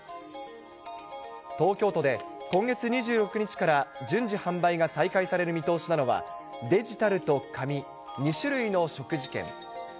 東京都で今月２６日から順次販売が再開される見通しなのは、デジタルと紙、２種類の食事券。